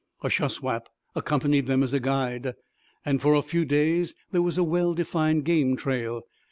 A Shuswap accompanied them as guide, and for a few days there was a well defined game trail.